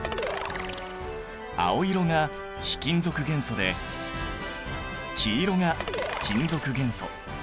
青色が非金属元素で黄色が金属元素。